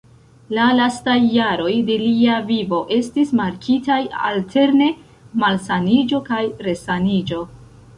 La lastaj jaroj de lia vivo estis markitaj alterne malsaniĝo kaj resaniĝo.